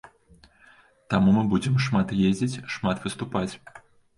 Таму мы будзем шмат ездзіць, шмат выступаць.